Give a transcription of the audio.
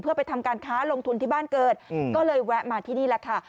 เพื่อไปทำการค้าลงทุนที่บ้านเกิดก็เลยแวะมาที่นี่แหละค่ะ